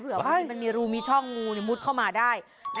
บ้านมันมีรูมีช่องงูมุดเข้ามาได้